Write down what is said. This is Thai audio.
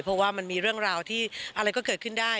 เพราะว่ามันมีเรื่องราวที่อะไรก็เกิดขึ้นได้